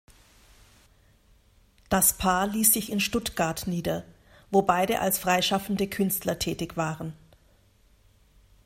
Das Paar ließ sich in Stuttgart nieder, wo beide als freischaffende Künstler tätig waren.